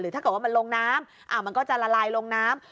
ถ้าเกิดว่ามันลงน้ำมันก็จะละลายลงน้ำ